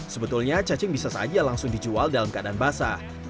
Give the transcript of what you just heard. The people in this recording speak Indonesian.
sebetulnya cacing bisa saja langsung dijual dalam keadaan basah